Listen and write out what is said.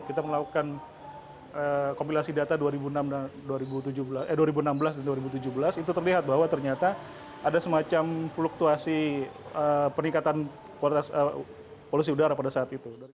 kita melakukan kompilasi data dua ribu enam belas dan dua ribu tujuh belas itu terlihat bahwa ternyata ada semacam fluktuasi peningkatan kualitas polusi udara pada saat itu